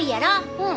うん。